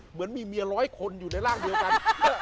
เหมือนมีเมียร้อยคนอยู่ในร่างเดียวกัน